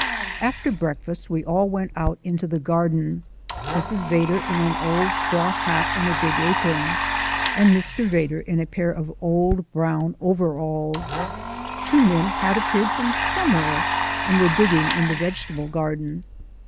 After breakfast we all went out into the garden, Mrs. Vedder in an old straw hat and a big apron, and Mr. Vedder in a pair of old brown overalls. Two men had appeared from somewhere, and were digging in the vegetable garden.